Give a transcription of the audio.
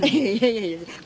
いやいやいや。